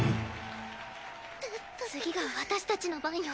次が私たちの番よ。